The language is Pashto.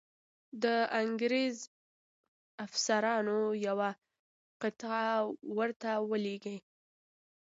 د انګرېزي افسرانو یوه قطعه ورته ولیږي.